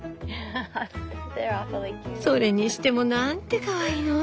それにしてもなんてかわいいの！